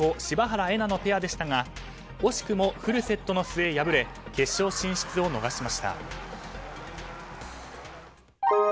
柴原瑛菜のペアでしたが惜しくもフルセットの末敗れ決勝進出を逃しました。